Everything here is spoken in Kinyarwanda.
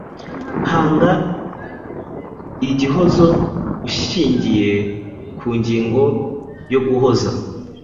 Hanga igihozo ushingiye ku ngingo yo guhoza.